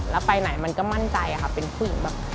แล้วไปไหนมันก็มั่นใจค่ะเป็นผู้หญิงแบบ